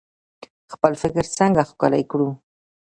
خپل فکر څنګه ښکلی کړو؟